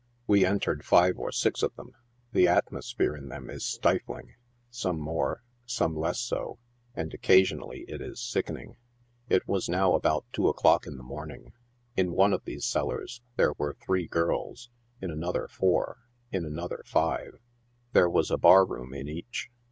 We entered five or six of them. The atmosphere in them is sti fling — some more, some less so — and occasionally it is sickening. It was now about two o'clock in the morning. In one of these cellars there were three girls, in another four, in another five. There was a bar room in each.